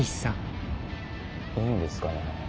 いいんですかね？